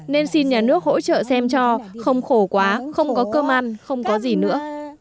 nên xin nhà nước hỗ trợ xem cho không khổ quá không có cơm ăn không có gì nữa